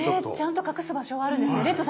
ちゃんと隠す場所があるんですね。